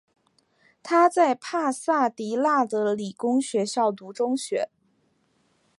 他在帕萨迪娜的理工学校读中学。